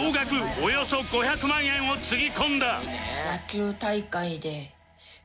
およそ５００万円をつぎ込んだ